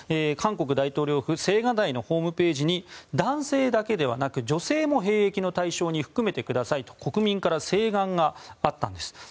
韓国大統領府青瓦台のホームページに男性だけではなく女性も兵役の対象に含めてくださいと国民から請願があったんです。